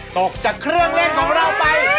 ตกจากเครื่องเล่นของเราไป